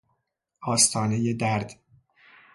آستانهی درد